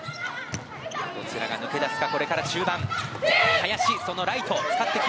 どちらが抜け出すか。